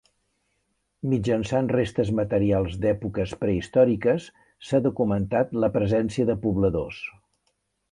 Mitjançant restes materials d'èpoques prehistòriques s'ha documentat la presència de pobladors.